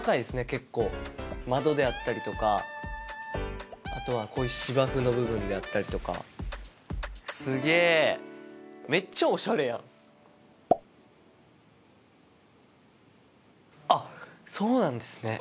結構窓であったりとかあとはこういう芝生の部分であったりとかすげえあっそうなんですね